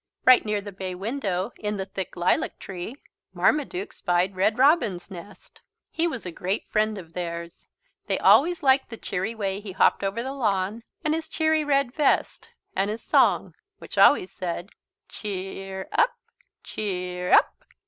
Right near the bay window, in the thick lilac tree, Marmaduke spied Red Robin's nest. He was a great friend of theirs. They always liked the cheery way he hopped over the lawn, and his cheery red vest, and his song which always said: "Che eer up che eer up!"